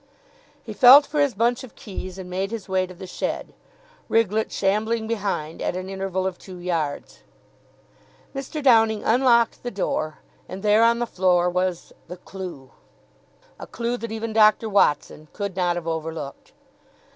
He felt for his bunch of keys, and made his way to the shed, Riglett shambling behind at an interval of two yards. Mr. Downing unlocked the door, and there on the floor was the Clue! A clue that even Dr. Watson could not have overlooked.